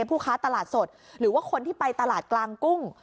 ผู้ค้าตลาดสดหรือว่าคนที่ไปตลาดกลางกุ้ง